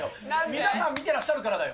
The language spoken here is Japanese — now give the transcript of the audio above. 皆さん見てらっしゃるからだよ。